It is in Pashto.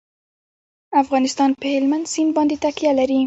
افغانستان په هلمند سیند باندې تکیه لري.